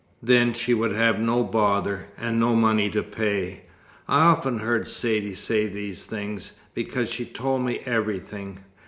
Then she would have no bother, and no money to pay. I often heard Saidee say these things, because she told me everything.